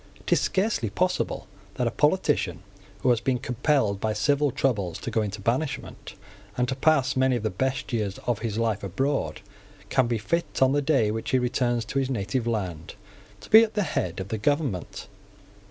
It is scarcely possible that a politician, who has been compelled by civil troubles to go into banishment, and to pass many of the best years of his life abroad, can be fit, on the day on which he returns to his native land, to be at the head of the government.